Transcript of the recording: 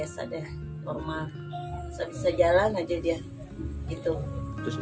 sebelum bisa jalan aja dia gitu